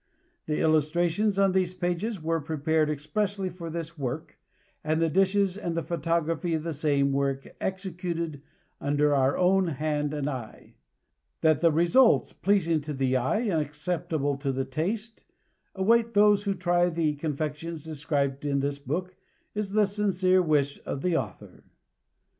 The illustrations on these pages were prepared expressly for this work, and the dishes and the photographs of the same were executed under our own hand and eye. That results pleasing to the eye and acceptable to the taste await those who try the confections described in this book is the sincere wish of the author.